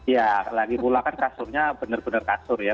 ya lagi pula kan kasurnya bener bener kasur ya